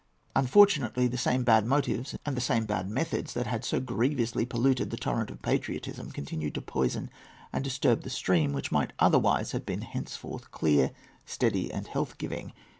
Unfortunately, the same bad motives and the same bad methods that had so grievously polluted the torrent of patriotism continued to poison and disturb the stream which might otherwise have been henceforth clear, steady, and health giving.